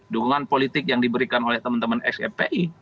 dukungan politik yang diberikan oleh teman teman xfpi